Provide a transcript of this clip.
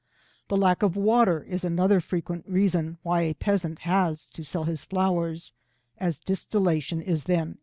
The lack of water is another frequent reason why a peasant has to sell his flowers, as distillation is then impossible.